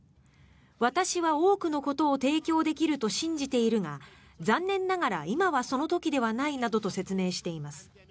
私は多くのことを提供できると信じているが残念ながら今はその時ではないなどと説明しています。